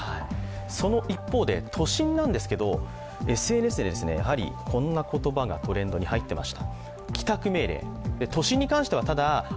その一方で都心なんですが、ＳＮＳでこんな言葉がトレンドに入っていました。